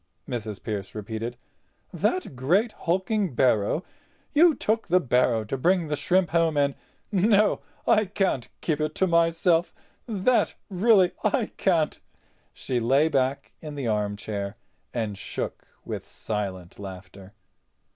Mrs. Pearce repeated. "That great hulking barrow—you took the barrow to bring the shrimps home in? No—I can't keep it to myself—that really I can't—" she lay back in the armchair and shook with silent laughter.